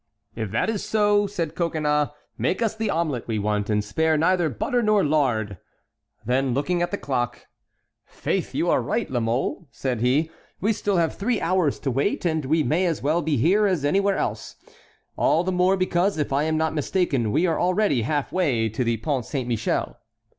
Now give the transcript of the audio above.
"If that is so," said Coconnas, "make us the omelet we want, and spare neither butter nor lard." Then looking at the clock, "Faith, you are right, La Mole," said he, "we still have three hours to wait, and we may as well be here as anywhere else. All the more because, if I am not mistaken, we are already half way to the Pont Saint Michel."